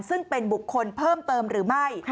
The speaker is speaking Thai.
ซึ่งเป็นบุคคลเพิ่มเติมหรือไม่